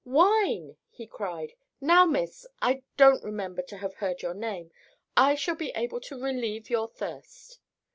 "Wine!" he cried. "Now, Miss—I don't remember to have heard your name—I shall be able to relieve your thirst."